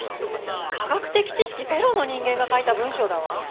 科学的知識ゼロの人間が書いた文章だわ。